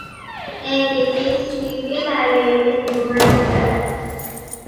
انگلیس نیروی دریایی نیرومندی دارد.